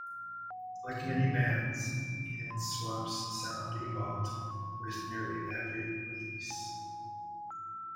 Like many bands, Ednaswap's sound evolved with nearly every release.